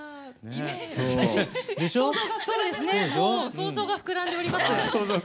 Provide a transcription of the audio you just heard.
想像が膨らんでおります。